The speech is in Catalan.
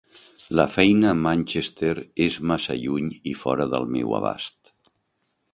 La feina a Manchester és massa lluny i fora del meu abast.